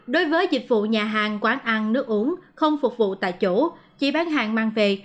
đối với dịch vụ nhà hàng quán ăn nước uống không phục vụ tại chỗ chỉ bán hàng mang về